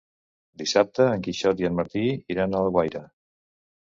Dissabte en Quixot i en Martí iran a Alguaire.